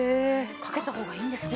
かけた方がいいんですね。